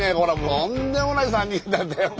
とんでもない３人なんだよな。